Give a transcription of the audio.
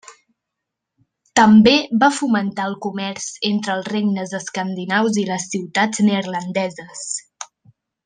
També va fomentar el comerç entre els regnes escandinaus i les ciutats neerlandeses.